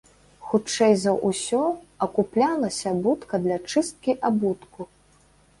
Хутчэй за ўсё акуплялася будка для чысткі абутку.